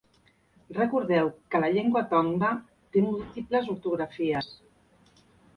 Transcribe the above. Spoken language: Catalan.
Recordeu que la llengua tongva té múltiples ortografies.